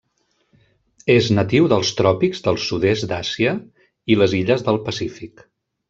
És natiu dels tròpics del sud-est d'Àsia i les illes del Pacífic.